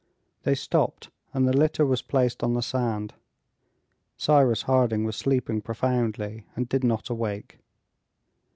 They stopped, and the litter was placed on the sand; Cyrus Harding was sleeping profoundly, and did not awake.